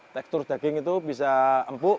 tekstur daging itu bisa empuk